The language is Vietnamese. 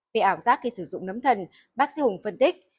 về ảo giác khi sử dụng nấm thần bác sĩ hùng phân tích